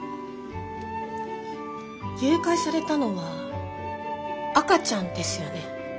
誘拐されたのは赤ちゃんですよね？